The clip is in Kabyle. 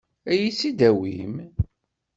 Ad iyi-tt-id-tawim?